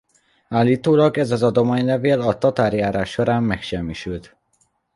Állítólag ez az adománylevél a tatárjárás során megsemmisült.